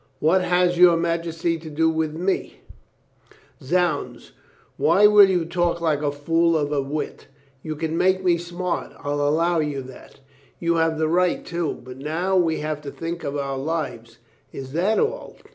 What has your majesty to do with me?" 394 COLONEL GREATHEART "Zounds, why will you talk like a fool of a wit? You can make me smart, I'll allow you that. You have the right, too. But now we have to think of our lives." "Is that all?"